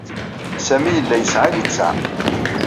Sami yella yesɛa littseɛ.